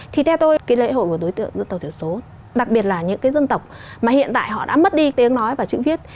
thì theo tôi cái lễ hội của đối tượng dân tộc thiểu số đặc biệt là những cái dân tộc mà hiện tại họ đã mất đi tiếng nói và chữ viết